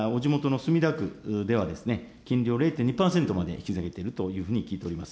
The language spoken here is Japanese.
例えばお地元の墨田区では、金利を０．２％まで引き下げているというふうに聞いております。